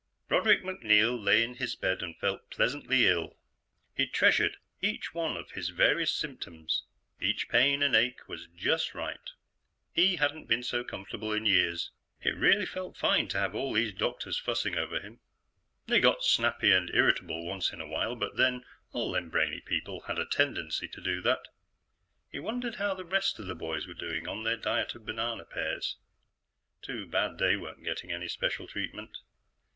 Broderick MacNeil lay in his bed and felt pleasantly ill. He treasured each one of his various symptoms; each pain and ache was just right. He hadn't been so comfortable in years. It really felt fine to have all those doctors fussing over him. They got snappy and irritable once in a while, but then, all them brainy people had a tendency to do that. He wondered how the rest of the boys were doing on their diet of banana pears. Too bad they weren't getting any special treatment.